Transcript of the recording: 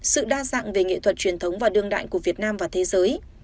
sự đa dạng về nghệ thuật truyền thống và đương đại của việt nam và thế giới